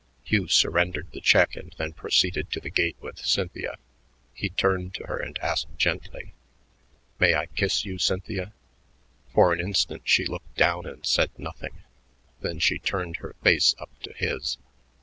Hugh surrendered the check and then proceeded to the gate with Cynthia. He turned to her and asked gently, "May I kiss you, Cynthia?" For an instant she looked down and said nothing; then she turned her face up to his.